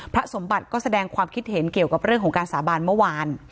สมบัติก็แสดงความคิดเห็นเกี่ยวกับเรื่องของการสาบานเมื่อวาน